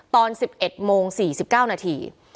ตอน๑๑โมง๔๙นาที